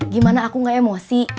gimana aku gak emosi